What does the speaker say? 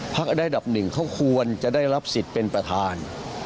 อันดับหนึ่งเขาควรจะได้รับสิทธิ์เป็นประธาน